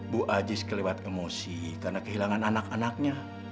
bu aziz kelewat emosi karena kehilangan anak anaknya